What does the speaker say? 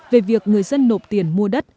về việc người dân nộp tiền mua đất